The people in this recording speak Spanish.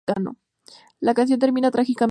La canción termina trágicamente.